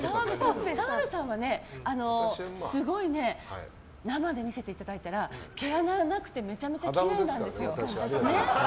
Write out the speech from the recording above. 澤部さんは生で見せていただいたら毛穴がなくてめちゃめちゃきれいなんですよ。